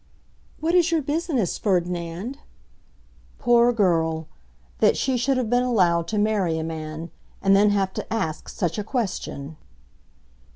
"What is your business, Ferdinand?" Poor girl! That she should have been allowed to marry a man, and then have to ask such a question!